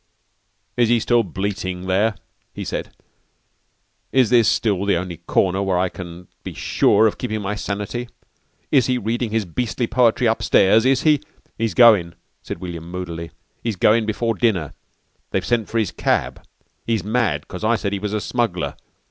"Is he still bleating there?" he said. "Is this still the only corner where I can be sure of keeping my sanity? Is he reading his beastly poetry upstairs? Is he " "He's goin'," said William moodily. "He's goin' before dinner. They've sent for his cab. He's mad 'cause I said he was a smuggler.